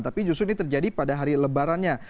tapi justru ini terjadi pada hari lebarannya